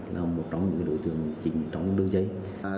là một trong những đối tượng chính trong những đường dây